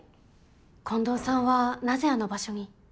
近藤さんはなぜあの場所に？